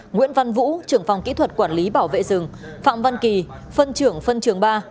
nguyễn văn vũ trưởng phòng kỹ thuật quản lý bảo vệ rừng phạm văn kỳ phân trưởng phân trường ba